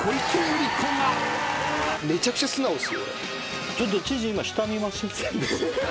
めちゃくちゃ素直っすよ俺。